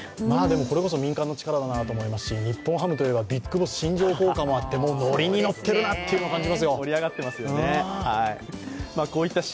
これこそ民間の力だなと思いますし日本ハムといえばビッグボス・新庄効果もあって乗りに乗ってるなという感じがしますよ。